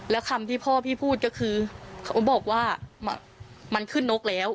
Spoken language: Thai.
แล้วคำที่พ่อพี่พูดก็คือเขาบอกว่ามันขึ้นนกแล้ว